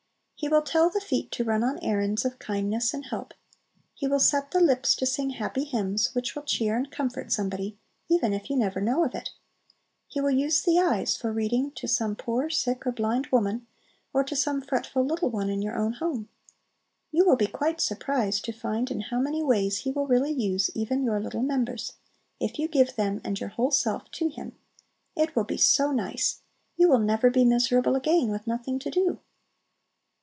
He will tell the feet to run on errands of kindness and help. He will set the lips to sing happy hymns, which will cheer and comfort somebody, even if you never know of it. He will use the eyes for reading to some poor sick or blind woman, or to some fretful little one in your own home. You will be quite surprised to find in how many ways He will really use even your little members, if you give them and your whole self to Him. It will be so nice! You will never be miserable again with "nothing to do!"